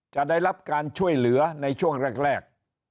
จะได้รับการช่วยเหลือในช่วงแรก